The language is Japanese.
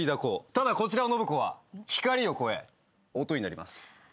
ただこちらの信子は光を超え音になります。